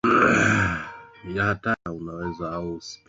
ya hatari ya piranha unaweza au usipenda